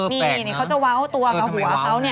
นี่เขาจะเว้าตัวกับหัวเขาเนี่ย